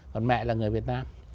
còn mẹ là người việt nam